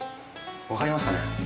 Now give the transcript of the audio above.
分かりますかね。